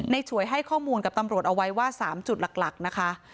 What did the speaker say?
ฉวยให้ข้อมูลกับตำรวจเอาไว้ว่า๓จุดหลักนะคะ